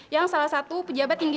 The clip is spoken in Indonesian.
yang salah satu pejabat tinggi